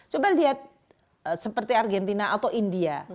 coba lihat seperti argentina atau india